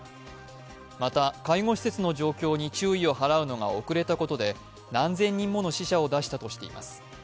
また、介護施設の状況に注意を払うのが遅れたことで、何千人もの死者を出したとしています。